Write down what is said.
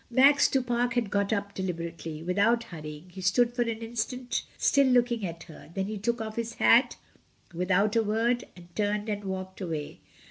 Max du Pare had got up deliberately, without hurrying; he stood for an instant still looking at her; then he took off his hat without a word, and turned and walked away.